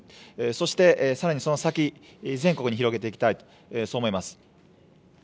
そしてさらにその先、全国に広げていきたいと、そう思います。